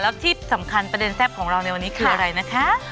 แล้วที่สำคัญประเด็นแซ่บของเราในวันนี้คืออะไรนะคะ